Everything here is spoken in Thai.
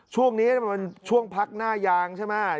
ช่วงนี้มันช่วงพักหน้ายางใช่ไหม